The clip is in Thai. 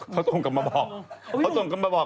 เค้าส่งกลับมาบอก